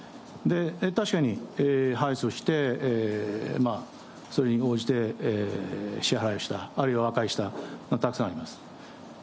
確かに敗訴して、それに応じて支払いをした、あるいは和解した、たくさんあります。